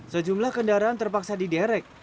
sejumlah kendaraan terpaksa diderek